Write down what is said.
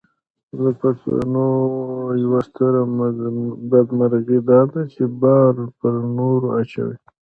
د پښتنو یوه ستره بدمرغي داده چې بار پر نورو اچوي.